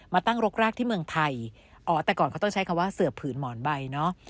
มาตั้งรกรากที่เมืองไทยอ๋อแต่ก่อนเขาต้องใช้คำว่าเสือบผืนหมอนใบเนอะ